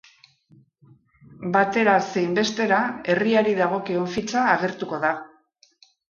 Batera zein bestera, herriari dagokion fitxa agertuko da.